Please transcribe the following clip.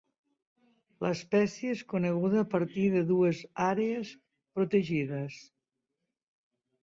L'espècie és coneguda a partir de dues àrees protegides.